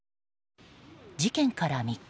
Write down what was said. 事件から３日。